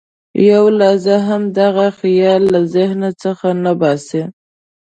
یوه لحظه هم دغه خیال له ذهن څخه نه باسي.